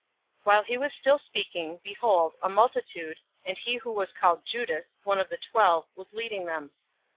022:047 While he was still speaking, behold, a multitude, and he who was called Judas, one of the twelve, was leading them.